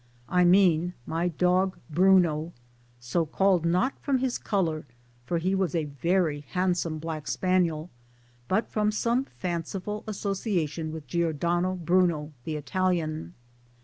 I mean my dog Bruno I so called not from his colour, for he was a very handsome black spaniel, but from some fanciful association with Giordano Bruno the Italian.